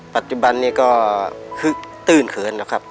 ปัจจุบันนี่ก็คือตื้นเขินครับ